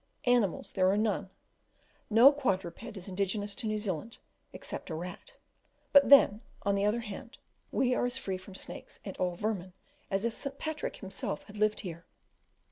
Animals there are none. No quadruped is indigenous to New Zealand, except a rat; but then, on the other hand, we are as free from snakes and all vermin as if St. Patrick himself had lived here.